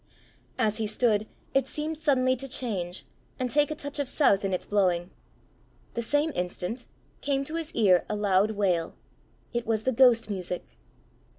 As he stood, it seemed suddenly to change, and take a touch of south in its blowing. The same instant came to his ear a loud wail: it was the ghost music!